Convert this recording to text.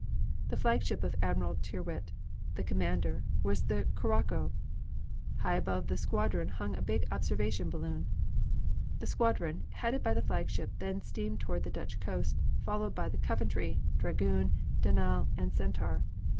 The flagship of Admiral Tyrwhitt, the commander, was the Curacao. High above about the squadron hung a big observation balloon. The squadron, headed by the flagship, then steamed toward the Dutch coast, followed by the Coventry, Dragoon, Danal and Centaur.